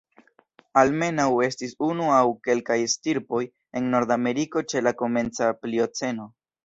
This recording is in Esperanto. Almenaŭ estis unu aŭ kelkaj stirpoj en Nordameriko ĉe la komenca Plioceno.